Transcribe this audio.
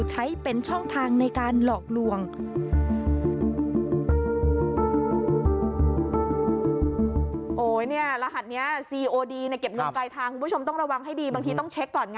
ใช้เป็นช่องทางในการหลอกลวง